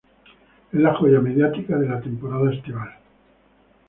Es la joya mediática de la temporada estival.